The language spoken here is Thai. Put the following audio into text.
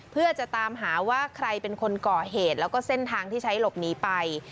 เพื่อจะตามหาว่าใครเป็นคนก่อเหตุแล้วก็เส้นทางที่ใช้หลบหนีไป